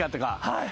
はい。